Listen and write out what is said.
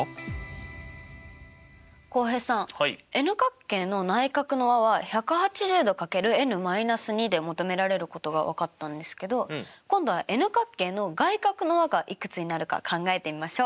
浩平さんｎ角形の内角の和は１８０°×で求められることが分かったんですけど今度はｎ角形の外角の和がいくつになるか考えてみましょう！